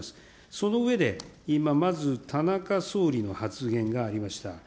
その上で、今まず田中総理の発言がありました。